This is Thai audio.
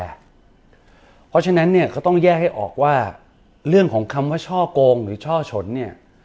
เพราะฉะนั้นเนี่ยเขาต้องแยกให้ออกว่าเรื่องของคำว่าช่อกงหรือช่อฉนเนี่ย